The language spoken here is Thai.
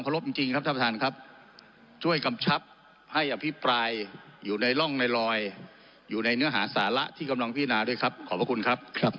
รบจริงครับท่านประธานครับช่วยกำชับให้อภิปรายอยู่ในร่องในรอยอยู่ในเนื้อหาสาระที่กำลังพิจารณาด้วยครับขอบพระคุณครับ